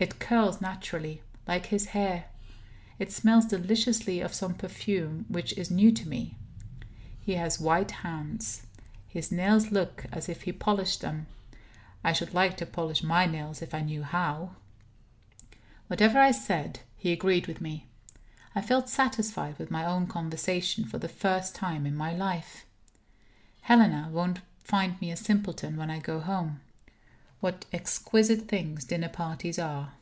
It curls naturally, like his hair; it smells deliciously of some perfume which is new to me. He has white hands; his nails look as if he polished them; I should like to polish my nails if I knew how. Whatever I said, he agreed with me; I felt satisfied with my own conversation, for the first time in my life. Helena won't find me a simpleton when I go home. What exquisite things dinner parties are!